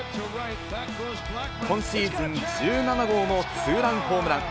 今シーズン１７号のツーランホームラン。